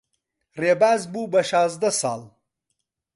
ڕێباز بوو بە شازدە ساڵ.